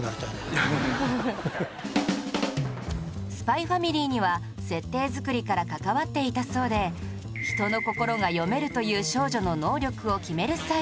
『ＳＰＹ×ＦＡＭＩＬＹ』には設定作りから関わっていたそうで人の心が読めるという少女の能力を決める際には